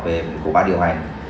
về cổ bán điều hành